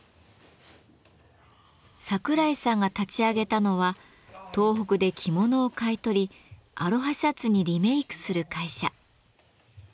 櫻井さんが立ち上げたのは東北で着物を買い取りアロハシャツにリメイクする会社。